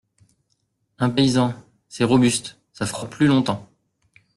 Un paysan… c’est robuste, ça frotte plus longtemps.